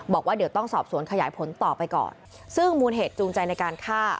บอกว่าเดี๋ยวต้องสอบสวนขยายผลต่อไปก่อนซึ่งมูลเหตุจูงใจในการฆ่า